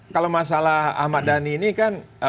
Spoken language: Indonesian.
kalau masalah ahmad dhani ini kan